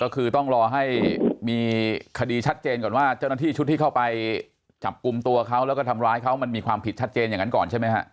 ก็คือต้องรอให้มีคดีชัดเจนก่อนว่าเจ้าหน้าที่ชุดที่เข้าไปจับกลุ่มตัวเขาแล้วก็ทำร้ายเขามันมีความผิดชัดเจนอย่างนั้นก่อนใช่ไหมฮะ